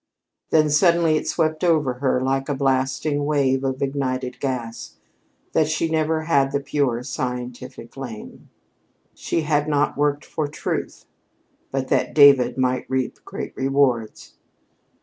Then, suddenly, it swept over her, like a blasting wave of ignited gas, that she never had had the pure scientific flame! She had not worked for Truth, but that David might reap great rewards.